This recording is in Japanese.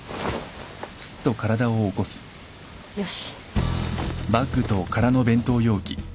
よし。